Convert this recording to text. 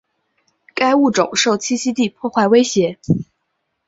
该物种受栖息地破坏威胁。